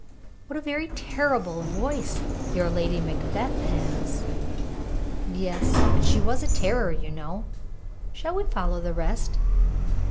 "What a very terrible voice your Lady Macbeth has!" "Yes; but she was a terror, you know. Shall we follow the rest?"